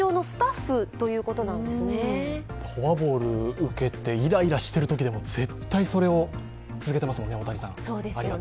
フォアボールを受けて、イライラしているときでも絶対にそれを続けてますもんね